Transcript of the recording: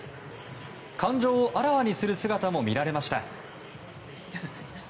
感情をあらわにする姿も見られました。